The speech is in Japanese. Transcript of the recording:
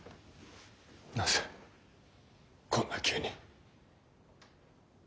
なぜこんな急に。